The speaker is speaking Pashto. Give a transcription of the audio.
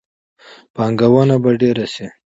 پانګونه به ډیره شي.